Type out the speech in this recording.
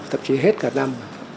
thậm chí hết cả năm